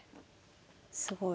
すごい。